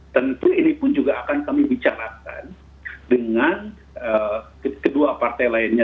tentu ini pun juga akan kami bicarakan dengan kedua partai lainnya